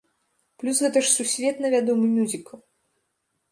Плюс гэта ж сусветна вядомы мюзікл.